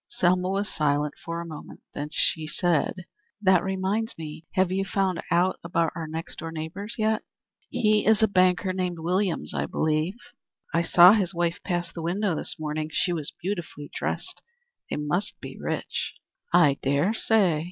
Selma was silent a moment; then she said, "That reminds me; have you found out about our next door neighbors yet?" "He is a banker named Williams, I believe." "I saw his wife pass the window this morning. She was beautifully dressed. They must be rich." "I dare say."